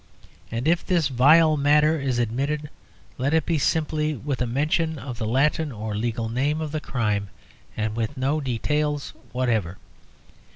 And, if this vile matter is admitted, let it be simply with a mention of the Latin or legal name of the crime, and with no details whatever.